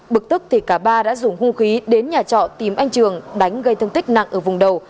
bực tức thì cả ba đã dùng hung khí đến nhà trọ tìm anh trường đánh gây thương tích nặng ở vùng đầu